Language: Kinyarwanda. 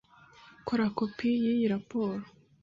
Kora kopi yiyi raporo.